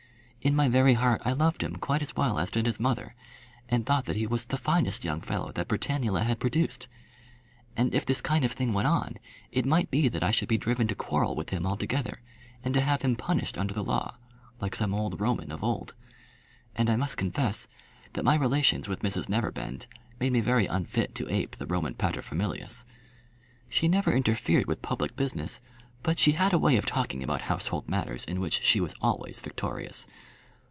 In my very heart I loved him quite as well as did his mother, and thought that he was the finest young fellow that Britannula had produced. And if this kind of thing went on, it might be that I should be driven to quarrel with him altogether, and to have him punished under the law, like some old Roman of old. And I must confess that my relations with Mrs Neverbend made me very unfit to ape the Roman paterfamilias. She never interfered with public business, but she had a way of talking about household matters in which she was always victorious.